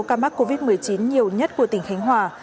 ca mắc covid một mươi chín nhiều nhất của tỉnh khánh hòa